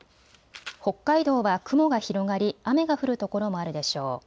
北海道は雲が広がり雨が降るところもあるでしょう。